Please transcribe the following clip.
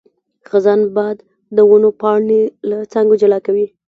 د خزان باد د ونو پاڼې له څانګو جلا کوي.